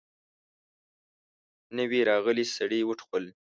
نوي راغلي سړي وټوخل.